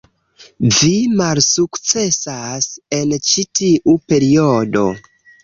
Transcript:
Vi malsukcesas en ĉi tiu periodo